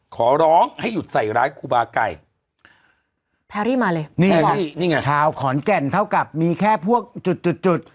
ขอร้องให้หยุดใส่ร้ายครูบาไก่แพรรี่มาเลยนี่แพรรี่นี่ไงชาวขอนแก่นเท่ากับมีแค่พวกจุดจุดจุด